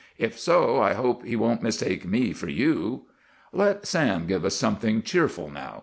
If so, I hope he won't mistake me for you!" "Let Sam give us something cheerful now!"